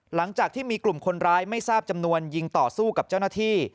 หลังจากที่มีกลุ่มคนร้ายไม่ทราบจำนวนยิงต่อสู้กับเจ้าหน้าที่